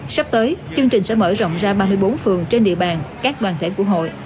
sắp tới chương trình sẽ mở rộng ra ba mươi bốn phường trên địa bàn các đoàn thể của hội